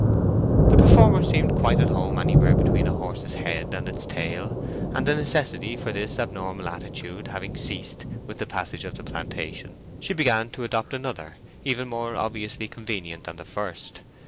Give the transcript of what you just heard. The performer seemed quite at home anywhere between a horse's head and its tail, and the necessity for this abnormal attitude having ceased with the passage of the plantation, she began to adopt another, even more obviously convenient than the first.